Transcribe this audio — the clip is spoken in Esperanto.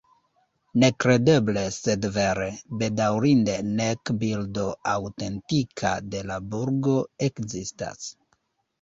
Nekredeble sed vere: bedaŭrinde nek bildo aŭtentika de la burgo ekzistas.